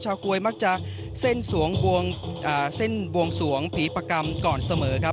กลวยมักจะเส้นบวงสวงผีประกรรมก่อนเสมอครับ